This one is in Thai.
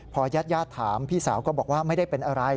พอญาติถามพี่สาวก็บอกว่าไม่ได้เป็นอะไร